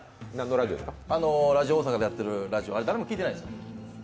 ラジオ大阪でやってるラジオ、誰も聞いてないんですよ。